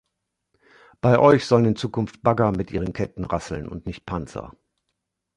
Bei euch sollen in Zukunft Bagger mit ihren Ketten rasseln und nicht Panzer!